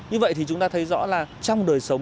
như vậy thì chúng ta thấy rõ là trong đời sống